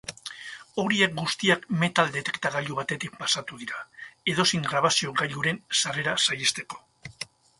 Horiek guztiak metal detektagailu batetik pasatu dira, edozein grabazio gailuren sarrera saihesteko.